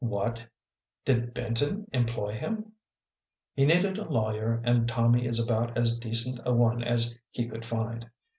"What! did Benton employ him?" " He needed a lawyer and Tommy is about as decent a one as he could find.